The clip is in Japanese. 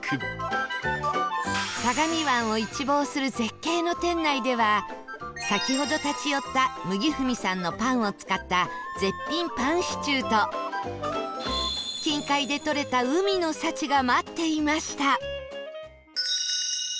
相模湾を一望する絶景の店内では先ほど立ち寄った麦踏さんのパンを使った絶品パンシチューと近海でとれた海の幸が待っていました